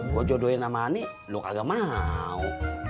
gua jodohin sama ani lu kagak mau